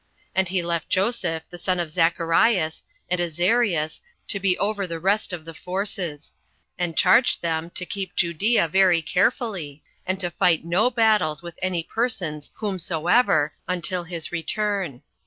And he left Joseph, the son of Zacharias, and Azarias, to be over the rest of the forces; and charged them to keep Judea very carefully, and to fight no battles with any persons whomsoever until his return.